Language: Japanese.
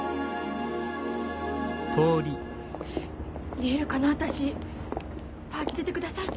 言えるかな私パーティー出てくださいって。